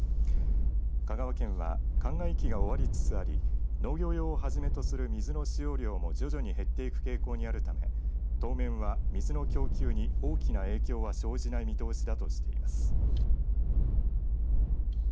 香川県はかんがい期が終わりつつあり農業用をはじめとする水の使用量も徐々に減っていく傾向にあるため当面は水の供給に大きな影響は生じない見通しだとしています。